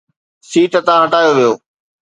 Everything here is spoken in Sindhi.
سيٽ تان هٽايو ويو